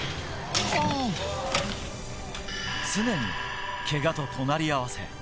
常にけがと隣り合わせ。